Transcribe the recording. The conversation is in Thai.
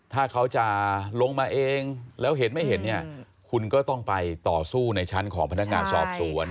ถ้าเขาจะลงมาเองแล้วเห็นไม่เห็นเนี่ยคุณก็ต้องไปต่อสู้ในชั้นของพนักงานสอบสวน